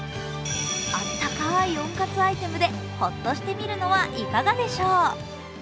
あったかい温活アイテムでホッとしてみるのはいかがでしょう？